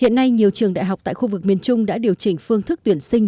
hiện nay nhiều trường đại học tại khu vực miền trung đã điều chỉnh phương thức tuyển sinh